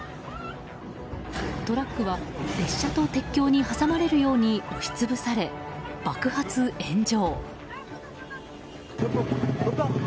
トラックは、列車と鉄橋に挟まれるように押し潰され爆発・炎上。